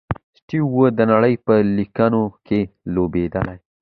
سټیو و د نړۍ په لیګونو کښي لوبېدلی.